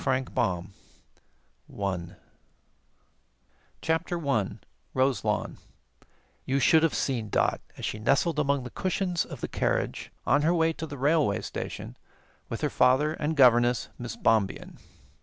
The Voyage Ends CHAPTER 1 ROSELAWN You should have seen Dot as she nestled among the cushions of the carriage on her way to the railway station with her father and governess, Miss Bombien.